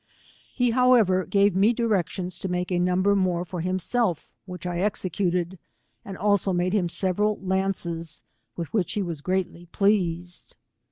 He however gave me directions to make a number more for himself which I executed, and also made him several lances, with which he was greatly pleased.